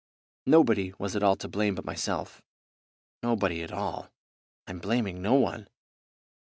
Nobody was at all to blame but myself; nobody at all. I'm blaming no one.